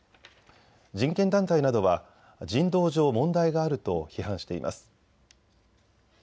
人権団体などは人道上、問題があると批判しています。